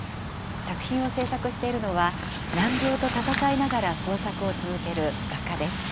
作品を制作しているのは難病と闘いながら創作を続ける画家です。